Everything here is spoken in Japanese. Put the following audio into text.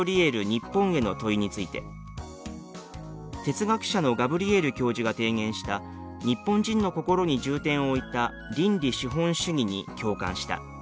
ニッポンへの問い」について「哲学者のガブリエル教授が提言した日本人の心に重点を置いた倫理資本主義に共感した」。